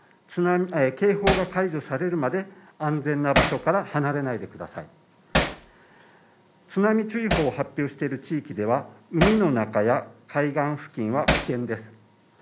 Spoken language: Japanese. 津波警報が解除されるまで安全な場所から離れないでください津波注意報を発表している地域では海の中や海岸付近は危険です